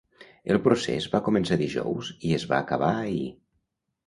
El procés va començar dijous i es va acabar ahir.